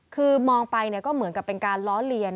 คือมองไปก็เหมือนกับเป็นการล้อเลียน